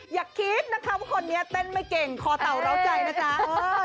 อย่าคิดนะคะว่าคนนี้เต้นไม่เก่งคอเต่าเล้าใจนะจ๊ะ